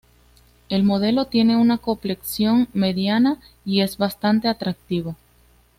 El modelo tiene una complexión mediana y es bastante atractivo.